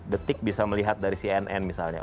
detik bisa melihat dari cnn misalnya